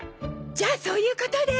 じゃそういうことで。